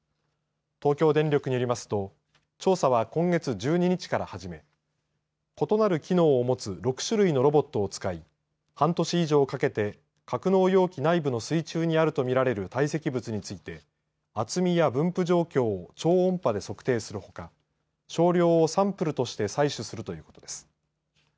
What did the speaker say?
東京電力によりますと調査は今月１２日から始め異なる機能を持つ６種類のロボットを使い半年以上かけて格納容器内部の水中にあるとみられる堆積物について厚みや分布状況を超音波で測定するほか少量をサンプルとして採取するということです。